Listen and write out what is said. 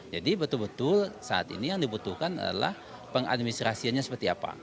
jadi betul betul saat ini yang dibutuhkan adalah pengadministrasiannya seperti apa